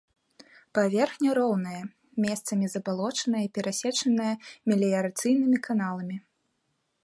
Паверхня роўная, месцамі забалочаная і перасечаная меліярацыйнымі каналамі.